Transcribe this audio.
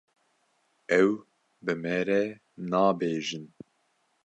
Ew bi me re nabêjin.